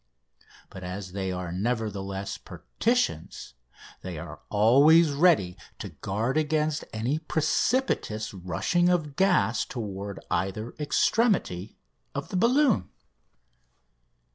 But as they are, nevertheless, partitions, they are always ready to guard against any precipitous rushing of gas toward either extremity of the balloon.